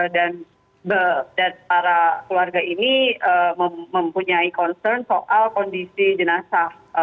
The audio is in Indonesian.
dan para keluarga ini mempunyai concern soal kondisi jenazah